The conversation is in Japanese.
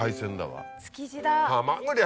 築地だ。